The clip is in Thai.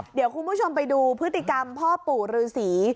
เดี๋ยวคุณผู้ชมไปดูพฤติกรรมพ่อปู่ฤษี